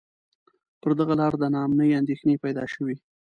پر دغه لار د نا امنۍ اندېښنې پیدا شوې.